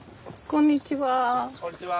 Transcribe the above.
こんにちは！